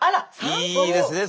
いいですね